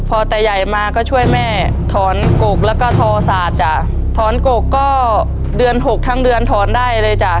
พอตาใหญ่มาก็ช่วยแม่ถอนกกแล้วก็ทอสาดจ้ะถอนกกก็เดือนหกทั้งเดือนถอนได้เลยจ้ะ